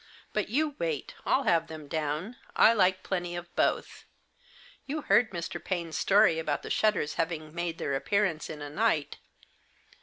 But you wait, I'll have them down, I like plenty of both. You heard Mr. Paine's story about the shutters having made their appearance in a night?